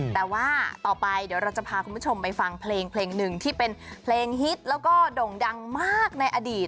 แต่ว่าต่อไปเดี๋ยวเราจะพาคุณผู้ชมไปฟังเพลงเพลงหนึ่งที่เป็นเพลงฮิตแล้วก็ด่งดังมากในอดีต